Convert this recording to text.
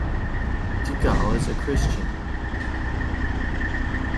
Dickau is a Christian.